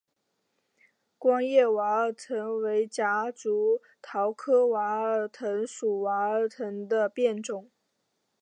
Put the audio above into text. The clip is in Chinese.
光叶娃儿藤为夹竹桃科娃儿藤属娃儿藤的变种。